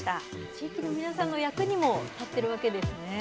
地域の皆さんの役にも立ってるわけですね。